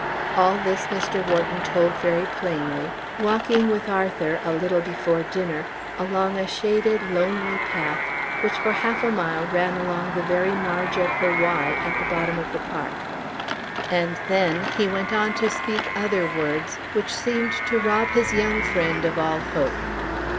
All this Mr. Wharton told very plainly, walking with Arthur a little before dinner along a shaded, lonely path, which for half a mile ran along the very marge of the Wye at the bottom of the park. And then he went on to speak other words which seemed to rob his young friend of all hope.